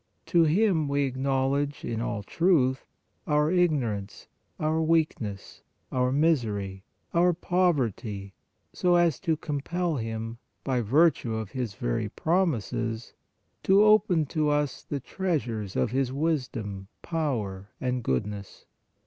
To Him we acknowledge, in all truth, our igno rance, our weakness, our misery, our poverty, so as to compel Him by virtue of His very promises to open to us the treasures of His wisdom, power and goodness.